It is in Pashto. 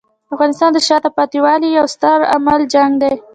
د افغانستان د شاته پاتې والي یو ستر عامل جنګ دی.